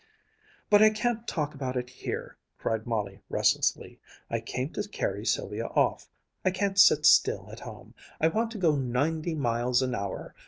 "But I can't talk about it here!" cried Molly restlessly. "I came to carry Sylvia off. I can't sit still at home. I want to go ninety miles an hour!